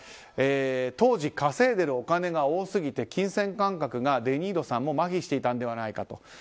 当時、稼いでいるお金が多すぎて金銭感覚がデ・ニーロさんもまひしていたのではないかと。